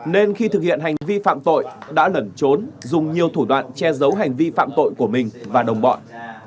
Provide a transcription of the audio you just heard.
nên khi thực hiện hành vi phạm tội đã lẩn trốn dùng nhiều thủ đoạn che giấu hành vi phạm tội của mình và đồng bọn